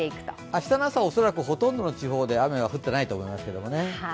明日の朝、恐らくほとんどの地方で雨が降っていないと思います。